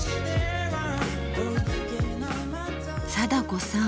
貞子さん